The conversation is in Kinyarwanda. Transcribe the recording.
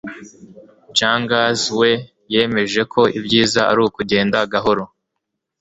jungers we yemeje ko ibyiza ari ukugenda gahoro